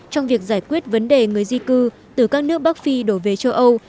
trong việc giải quyết vấn đề người di cư từ các nước bắc phi đổ về châu âu